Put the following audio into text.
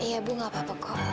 iya bu gak apa apa kok